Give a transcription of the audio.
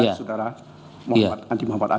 saudara andi muhammad asrun